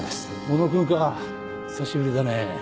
小野君か久しぶりだね。